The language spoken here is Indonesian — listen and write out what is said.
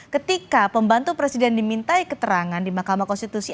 ketika pembantu presiden dimintai keterangan di mahkamah konstitusi